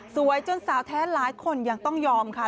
จนสาวแท้หลายคนยังต้องยอมค่ะ